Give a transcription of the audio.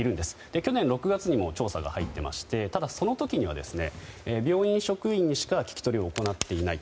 去年６月にも調査が入っていましてただ、その時には病院職員にしか聞き取りを行っていないと。